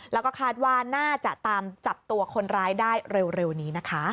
แล้วก็คาดว่าน่าจะตามจับตัวคนร้ายได้เร็วนี้นะคะ